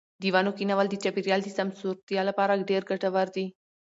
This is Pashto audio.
د ونو کښېنول د چاپیریال د سمسورتیا لپاره ډېر ګټور دي.